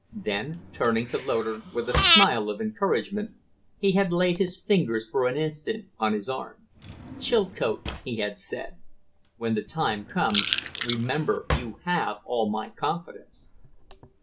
Then, turning to Loder with a smile of encouragement, he had laid his fingers for an instant on his arm. "Chilcote," he had said, "when the time comes, remember you have all my confidence."